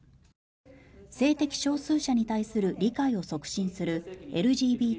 性的少数者に対する理解を促進するＬＧＢＴ